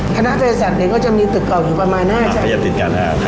คณะโดยสรรค์เนี่ยก็จะมีตึกออกอยู่ประมาณ๕ชั้น